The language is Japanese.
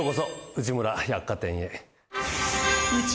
内村百貨店へ。